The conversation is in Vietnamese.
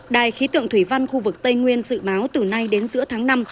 đài khí tượng thủy văn khu vực tây nguyên dự báo từ nay đến giữa tháng năm